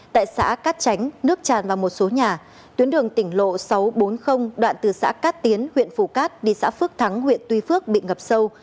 tại xã cát tránh nước tràn vào một số nhà tuyến đường tỉnh lộ sáu trăm bốn mươi đoạn từ xã cát tiến huyện phù cát đi xã phước thắng huyện tuy phước bị ngập sâu